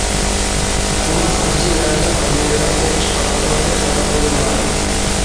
ئەمما ساقچى ياكى ئارمىيەنىڭ ئوق چىقارغانلىقى خەۋەر قىلىنمىغان.